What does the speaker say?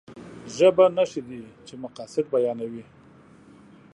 ژبه نښې دي چې مقاصد بيانوي.